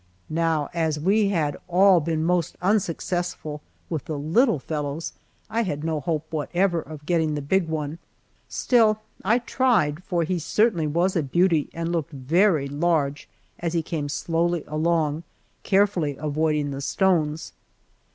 Now as we had all been most unsuccessful with the little "fellows," I had no hope whatever of getting the big one, still I tried, for he certainly was a beauty and looked very large as he came slowly along, carefully avoiding the stones.